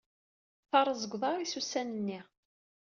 Teṛṛeẓ deg uḍaṛ-is ussan nni.